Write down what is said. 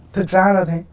thực ra là thế